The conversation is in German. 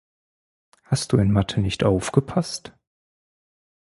Hast du in Mathe nicht aufgepasst?